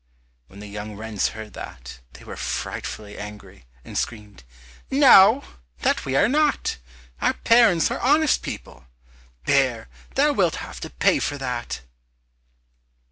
When the young wrens heard that, they were frightfully angry, and screamed, "No, that we are not! Our parents are honest people! Bear, thou wilt have to pay for that!"